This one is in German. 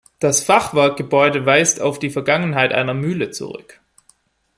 Das Fachwerkgebäude weist auf die Vergangenheit einer Mühle zurück.